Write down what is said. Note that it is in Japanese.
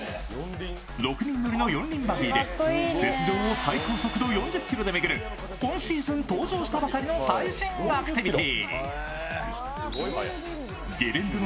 ６人乗りの４輪バギーで雪上を最高速度４０ｋｍで巡る今シーズン登場したばかりの最新アクティビティ。